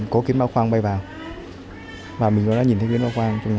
có kiến ba khoang bay vào và mình có thể nhìn thấy kiến ba khoang trong nhà